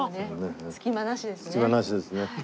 隙間なしですね。